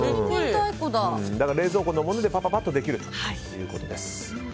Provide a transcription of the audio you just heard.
冷蔵庫のものでパパパッとできるということです。